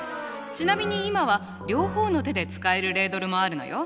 ちなみに今は両方の手で使えるレードルもあるのよ。